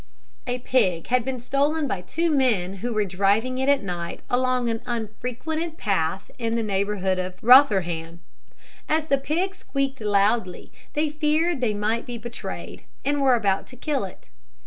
A pig had been stolen by two men, who were driving it at night along an unfrequented path in the neighbourhood of Rotherham. As the pig squeaked loudly, they feared they might be betrayed, and were about to kill it.